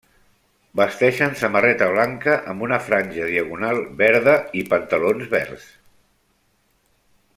Vesteixen samarreta blanca amb una franja diagonal verda i pantalons verds.